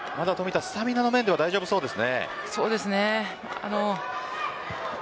冨田はスタミナの面では大丈夫そうです。